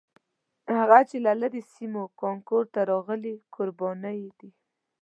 هغه چې له لرې سیمو کانکور ته راغلي کوربانه یې دي.